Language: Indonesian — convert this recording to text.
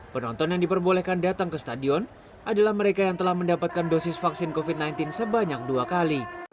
penonton yang diperbolehkan datang ke stadion adalah mereka yang telah mendapatkan dosis vaksin covid sembilan belas sebanyak dua kali